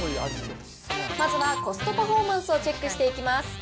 まずはコストパフォーマンスをチェックしていきます。